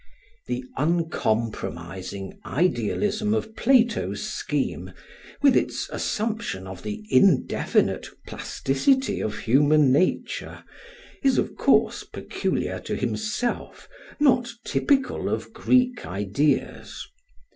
The uncompromising idealism of Plato's scheme, with its assumption of the indefinite plasticity of human nature, is of course peculiar to himself, not typical of Greek ideas.